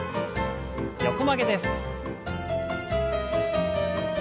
横曲げです。